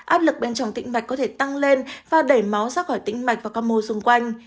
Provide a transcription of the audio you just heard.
áp lực bên trong tinh mạch có thể tăng lên và đẩy máu ra khỏi tinh mạch và các mô xung quanh